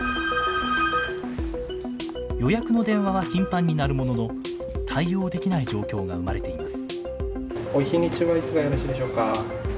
予約の電話は頻繁に鳴るものの、対応できない状況が生まれています。